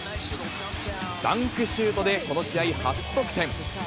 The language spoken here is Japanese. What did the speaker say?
ダンクシュートで、この試合、初得点。